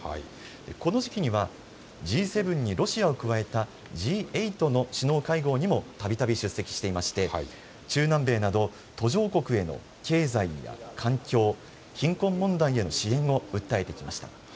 この時期には、Ｇ７にロシアを加えたＧ８の首脳会合にもたびたび出席していまして中南米など途上国への経済や環境、貧困問題への支援を訴えてきました。